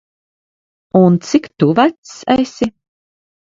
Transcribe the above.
Un, cik tu vecs esi?